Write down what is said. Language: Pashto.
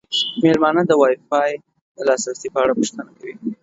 میلمانه د وای فای د لاسرسي په اړه پوښتنه کوي.